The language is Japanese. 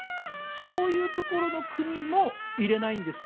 そういうところの国も入れないんですか？